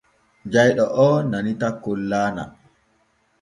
Jayɗo oo nani takkol laana.